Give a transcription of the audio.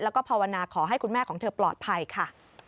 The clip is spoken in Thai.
แล้วก็ภาวนาขอให้คุณแม่ของเธอปลอดภัยค่ะ